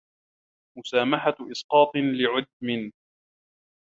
مُسَامَحَةُ إسْقَاطٍ لِعُدْمٍ